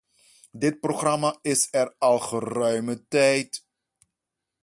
Dit programma is er al geruime tijd.